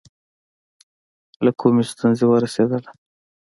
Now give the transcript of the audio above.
له کومې ستونزې ورسېدله.